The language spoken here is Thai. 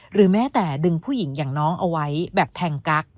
หรือแม้แต่ดึงผู้หญิงอย่างน้องเอาไว้แบบแทงกั๊ก